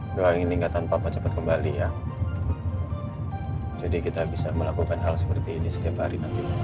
mengingatin papa cepat kembali ya jadi kita bisa melakukan hal seperti ini tapi